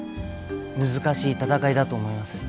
難しい闘いだと思います。